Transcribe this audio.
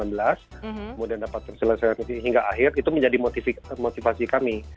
kemudian dapat terselesaikan hingga akhir itu menjadi motivasi kami